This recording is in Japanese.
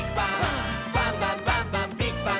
「バンバンバンバンビッグバン！」